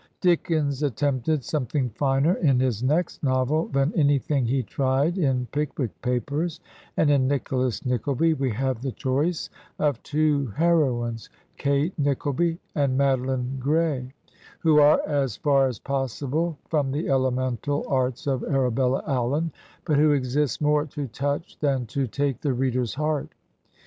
Dickens attempted something finer in his next novel than anything he tried in ''Pickwick Papers/' and in "Nicholas Nickleby" we have the choice of two hero ines, Kate Nickleby and Madeline Gray, who are as far as possible from the elemental arts of Arabella Allen, but who exist more to touch than to take the reader's heart.